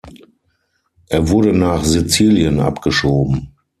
Er wurde nach Sizilien abgeschoben.